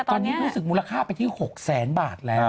ตอนนี้รู้สึกมูลค่าเป็นที่๖๐๐๐๐๐บาทแล้ว